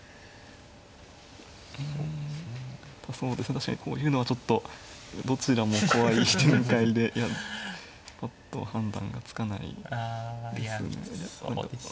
確かにこういうのはちょっとどちらも怖い展開でぱっとは判断がつかないですね。